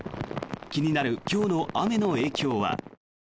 気になる今日の雨の影響は。